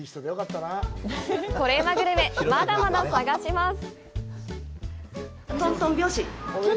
コレうまグルメ、まだまだ探します。